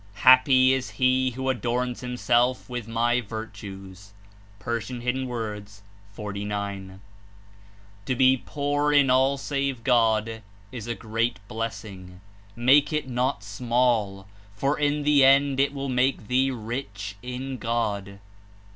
Happy is he who adorns himself ziith my Virtues.'* (P. 49.) *'To be poor in all save God is a great blessing: make it not small, for in the end it will make thee rich in God."